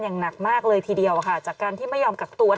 อย่างหนักมากเลยทีเดียวค่ะจากการที่ไม่ยอมกักตัว